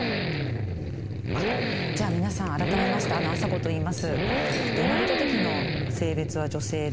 じゃあ皆さん改めまして吾早子といいます。